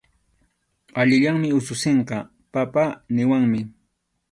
Allillanmi ususinqa “papá” niwanmi.